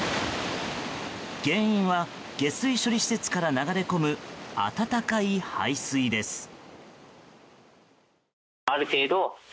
原因は下水処理施設から流れ込む温かい排水です。